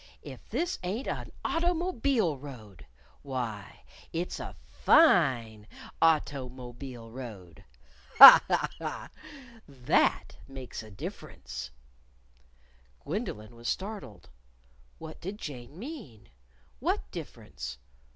"If this ain't a' automobile road! Why, it's a fine auto_mo_bile road! Ha! ha! ha! That makes a difference!" Gwendolyn was startled. What did Jane mean? What difference?